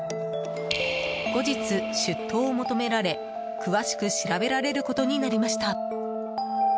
後日出頭を求められ、詳しく調べられることになりました。